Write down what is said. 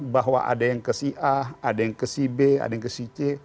bahwa ada yang ke si a ada yang ke si b ada yang ke si c